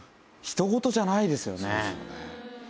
そうですよね。